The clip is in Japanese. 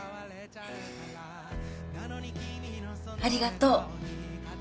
ありがとう。